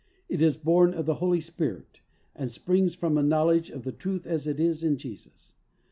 It is born of the Holy Spirit, and springs from a knowledge of "the truth as it is in Jesus."